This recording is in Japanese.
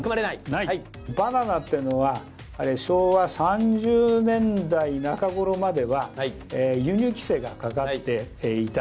バナナっていうのは、昭和３０年代中頃までは、輸入規制がかかっていた。